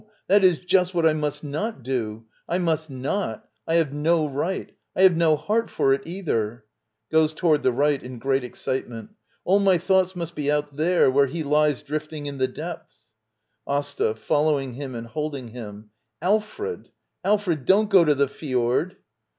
That is just what I must iiet do! I must not! I have no right! I have no heart for it, either! [Goes toward the right, in great excitement.] All my thou^te J»ust. Jifi.4lUt there, where he II >s dxifting hi^the depths! AsTA. [Following him and holding him.] Al fred — Alfred! Don't go to the fjord!